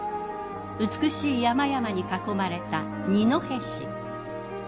美しい山々に囲まれた二戸市。